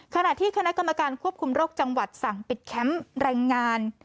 ขณะที่คณะกรรมการควบคุมโรคจังหวัดสั่งปิดแคมป์แรงงาน